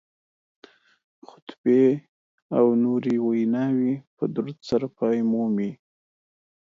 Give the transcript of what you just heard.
خطبې او نورې ویناوې په درود سره پای مومي